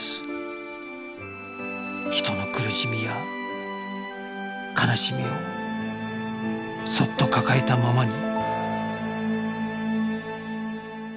人の苦しみや悲しみをそっと抱えたままに